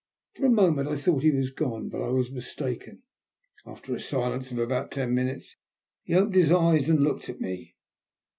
For a moment I thought he was gone, but I was mistaken. After a silence of about ten minutes he opened his eyes and looked at me.